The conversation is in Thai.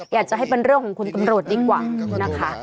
อยากจะให้เป็นเรื่องของคุณตำรวจดีกว่านะคะ